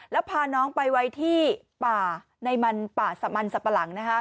แล้วพาน้องไปไว้ที่ป่าในมันป่าสมันสับปะหลัง